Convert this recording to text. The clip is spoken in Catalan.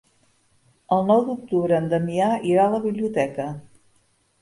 El nou d'octubre en Damià irà a la biblioteca.